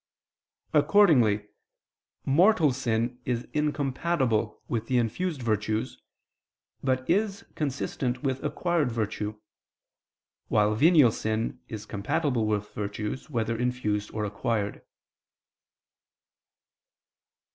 Accordingly, mortal sin is incompatible with the infused virtues, but is consistent with acquired virtue: while venial sin is compatible with virtues, whether infused or acquired.